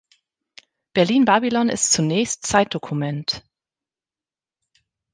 Berlin Babylon ist zunächst Zeitdokument.